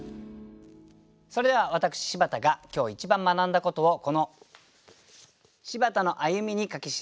それでは私柴田が今日一番学んだことをこの「柴田の歩み」に書き記したので発表したいと思います。